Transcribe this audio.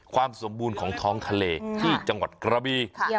ความสมบูรณ์ของท้องทะเลที่จังหวัดกระบี